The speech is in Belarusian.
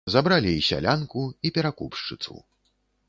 Забралі і сялянку і перакупшчыцу.